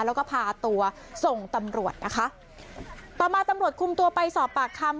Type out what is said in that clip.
แล้วก็พาตัวส่งตำรวจนะคะต่อมาตำรวจคุมตัวไปสอบปากคำ